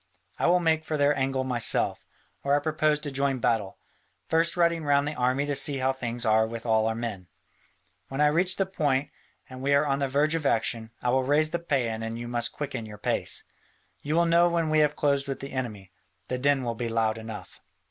I will make for their angle myself, where I propose to join battle, first riding round the army to see how things are with all our men. When I reach the point, and we are on the verge of action, I will raise the paean and then you must quicken your pace. You will know when we have closed with the enemy, the din will be loud enough.